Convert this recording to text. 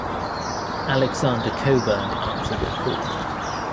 Alexander Cockburn answered the call.